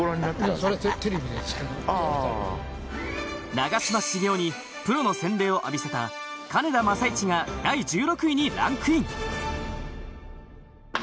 長嶋茂雄にプロの洗礼を浴びせた金田正一が第１６位にランクイン。